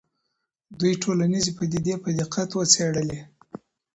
دوی ټولنیزې پدیدې په دقت وڅېړلې.